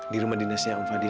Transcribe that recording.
di rumah dinasnya om fadil